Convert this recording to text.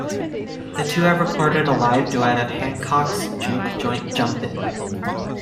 The two have recorded a live duet of Hancock's "Juke Joint Jumpin'".